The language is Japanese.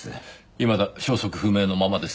いまだ消息不明のままですか？